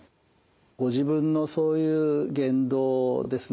ご自分のそういう言動ですね